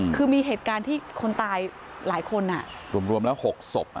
คือมีเหตุการณ์ที่คนตายหลายคนรวมแล้ว๖ศพ